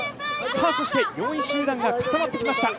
そして４位集団が固まって来ました。